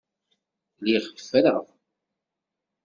Lliɣ ffreɣ.